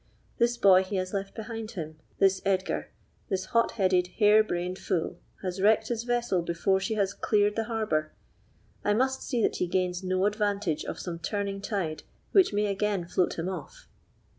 This boy he has left behind him—this Edgar—this hot headed, hare brained fool, has wrecked his vessel before she has cleared the harbor. I must see that he gains no advantage of some turning tide which may again float him off.